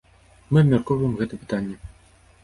Мы абмяркоўваем гэтае пытанне.